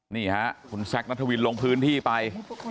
นี่ฮะคุณแซคนัทวินลงพื้นที่ไป